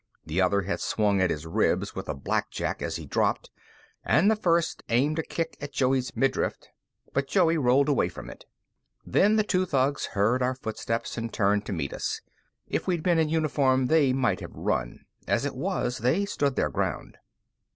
The other had swung at his ribs with a blackjack as he dropped, and the first aimed a kick at Joey's midriff, but Joey rolled away from it. Then the two thugs heard our footsteps and turned to meet us. If we'd been in uniform, they might have run; as it was, they stood their ground.